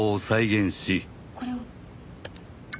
これを。